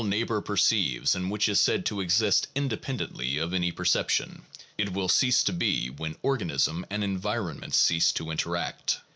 423 neighbor perceives and which is said to exist independently of any perception : it will cease to be when organism and environ ment cease to interact.